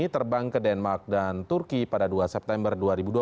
terbang ke denmark dan turki pada dua september dua ribu dua puluh